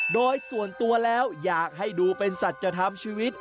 โดยส่วนตัวแล้วอยากให้ดูเป็นสัจธรรมชีวิต